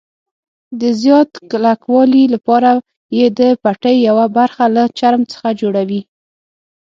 د زیات کلکوالي لپاره یې د پټۍ یوه برخه له چرم څخه جوړوي.